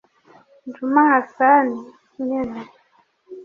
Juma Hassan Nyene